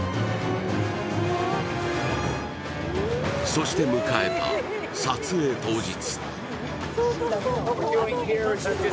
そして迎えた撮影当日。